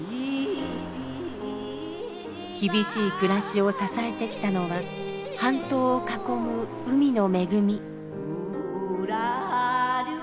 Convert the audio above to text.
厳しい暮らしを支えてきたのは半島を囲む海の恵み。